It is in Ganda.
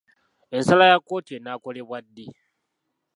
Ensala ya kkooti enaakolebwa ddi?